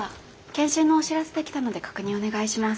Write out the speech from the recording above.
健診のお知らせできたので確認お願いします。